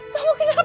kamu kenapa nak